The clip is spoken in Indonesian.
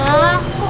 udah cukup kan